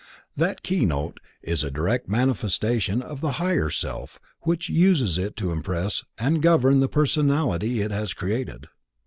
That "keynote" is a direct manifestation of the Higher Self which uses it to impress and govern the Personality it has created.